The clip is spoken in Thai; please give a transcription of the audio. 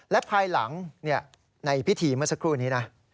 และภายหลังในพิธีเมื่อสักครู่นี้นะ